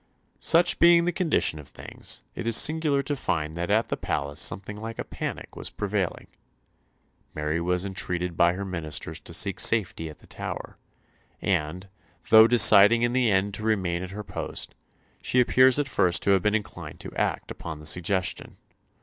Such being the condition of things, it is singular to find that at the palace something like a panic was prevailing. Mary was entreated by her ministers to seek safety at the Tower; and, though deciding in the end to remain at her post, she appears at first to have been inclined to act upon the suggestion.